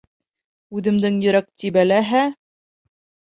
Үҙемдең йөрәк тибә ләһә.